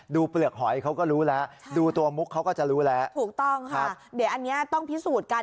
เปลือกหอยเขาก็รู้แล้วดูตัวมุกเขาก็จะรู้แล้วถูกต้องค่ะเดี๋ยวอันนี้ต้องพิสูจน์กัน